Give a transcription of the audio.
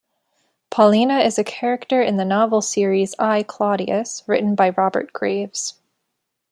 Paulina is a character in the novel series, I, Claudius written by Robert Graves.